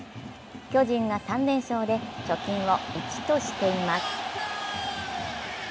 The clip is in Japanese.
巨人が３連勝で貯金を１としています。